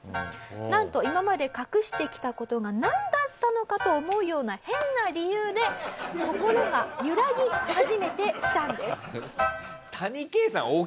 なんと今まで隠してきた事がなんだったのかと思うような変な理由で心が揺らぎ始めてきたんです。